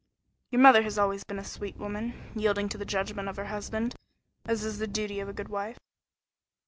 "Your mother has always been a sweet woman, yielding to the judgment of her husband, as is the duty of a good wife."